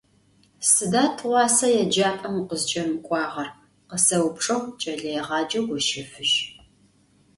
«Сыда тыгъуасэ еджапӀэм укъызкӀэмыкӀуагъэр?», -къысэупчӀыгъ кӀэлэегъаджэу Гощэфыжь.